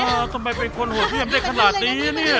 ทำไมเป็นคนโหดเยี่ยมได้ขนาดนี้เนี่ย